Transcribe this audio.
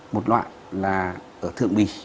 một loại là ở thượng bì